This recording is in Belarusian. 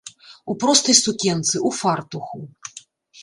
У простай сукенцы, у фартуху.